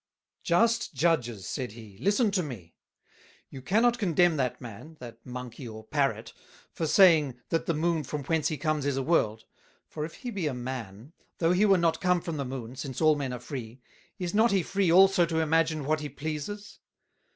"Just Judges," said he, "listen to me; you cannot Condemn that Man, that Monkey or Parrot, for saying, That the Moon from whence he comes is a World; for if he be a Man, though he were not come from the Moon, since all Men are free, is not he free also to imagine what he pleases?